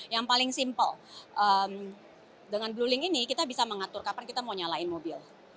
yang paling simple dengan blue link ini kita bisa mengatur kapan kita mau nyalain mobil